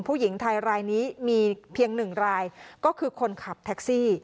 ผู้หญิงไทยรายนี้มีเพียงหนึ่งรายก็คือคนขับแท็กซี่